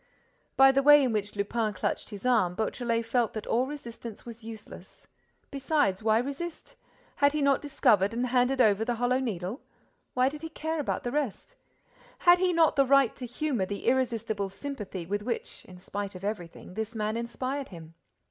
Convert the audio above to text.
By the way in which Lupin clutched his arm, Beautrelet felt that all resistance was useless. Besides, why resist? Had he not discovered and handed over the Hollow Needle? What did he care about the rest? Had he not the right to humor the irresistible sympathy with which, in spite of everything, this man inspired him?